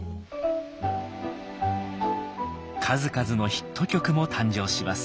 数々のヒット曲も誕生します。